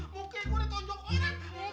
mungkin gua netonjok orang